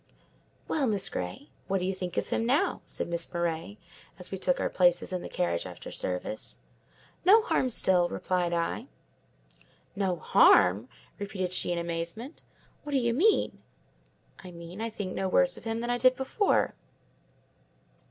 "Well, Miss Grey, what do you think of him now?" said Miss Murray, as we took our places in the carriage after service. "No harm still," replied I. "No harm!" repeated she in amazement. "What do you mean?" "I mean, I think no worse of him than I did before."